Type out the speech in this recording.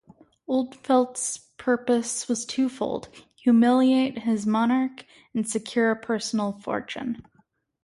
Ulfeldt's purpose was twofold: humiliate his monarch and secure a personal fortune.